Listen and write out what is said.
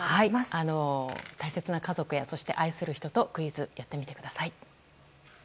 大切な家族や愛する人とクイズやってみてください。